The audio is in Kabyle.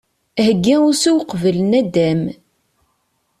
Heggi usu uqbel naddam.